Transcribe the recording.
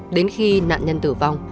đến khi nạn nhân tử vong